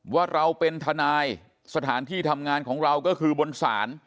ว่าเราเป็นทนายสถานที่ทำงานของเราก็คือบนศาล